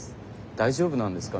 大丈夫なんですか？